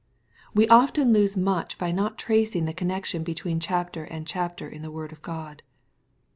We often lose much by not tracing the connection between chapter and chapter in the word of God.